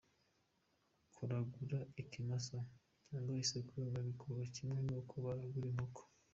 Kuragura ikimasa cyangwa isekurume bikorwa kimwe n’uko baragura inkoko.